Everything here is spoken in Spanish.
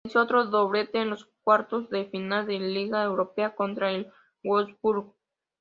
Realizó otro doblete en los cuartos de final de Liga Europa contra el Wolfsburg.